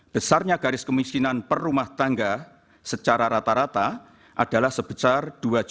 besarnya garis kemiskinan per rumah tangga secara rata rata adalah sebesar